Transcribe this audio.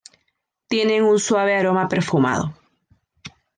Tienen un suave aroma perfumado.